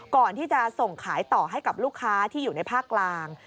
ก่อนที่จะส่งขายต่อให้กับลูกค้าที่อยู่ในภาคกลาง